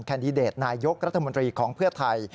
แดดิเดตนายกรัฐมนตรีของเพื่อไทย